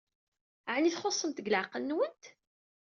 Ɛni txuṣṣemt deg leɛqel-nwent?